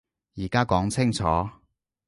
而家講清楚